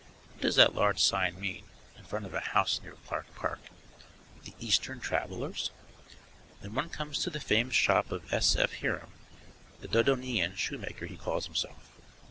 What does that large sign mean, in front of a house near Clark Park THE EASTERN TRAVELLERS? Then one comes to the famous shop of S. F. Hiram, the Dodoneaean Shoemaker he calls himself.